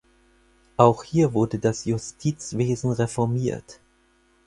Auch hier wurde das Justizwesen reformiert.